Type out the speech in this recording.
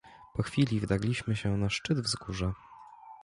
"Po chwili wdarliśmy się na szczyt wzgórza."